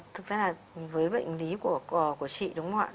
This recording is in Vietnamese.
thực ra là với bệnh lý của chị đúng không ạ